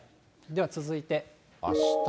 では続いて。